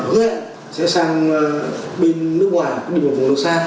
hứa sẽ sang nước ngoài định một vùng nước xa